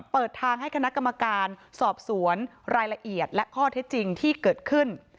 เปิดทางให้คณะกรรมการสอบสวนรายละเอียดและข้อเท็จจริงที่เกิดขึ้น